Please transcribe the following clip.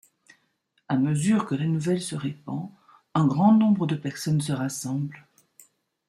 À mesure que la nouvelle se répand, un grand nombre de personnes se rassemblent.